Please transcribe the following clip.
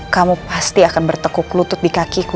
kamu pasti akan bertekuk lutut di kakiku